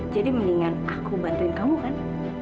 jadi mendingan aku bantuin kamu kan